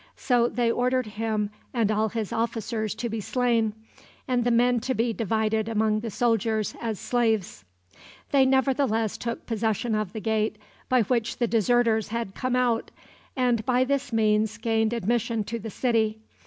So they ordered him and all his officers to be slain, and the men to be divided among the soldiers as slaves. They nevertheless took possession of the gate by which the deserters had come out, and by this means gained admission to the city.